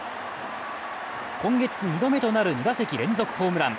今月２度目となる２打席連続ホームラン。